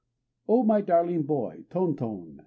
_ Oh! my darling boy! _Tonton!